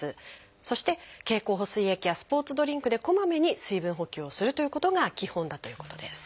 そして経口補水液やスポーツドリンクでこまめに水分補給をするということが基本だということです。